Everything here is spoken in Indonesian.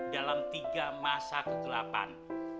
dalam tiga masa kegelapan